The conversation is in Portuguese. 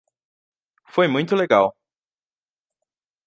Foi muito legal.